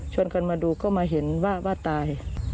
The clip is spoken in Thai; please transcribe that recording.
กันมาดูก็มาเห็นว่าตาย